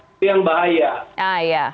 itu yang bahaya